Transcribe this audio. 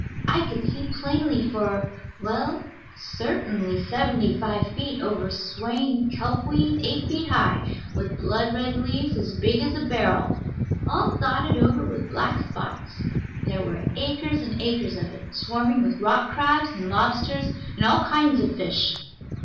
I could see plainly for, well, certainly seventy five feet over swaying kelp weed, eight feet high, with blood red leaves as big as a barrel, all dotted over with black spots. There were acres and acres of it, swarming with rock crabs and lobsters and all kinds of fish."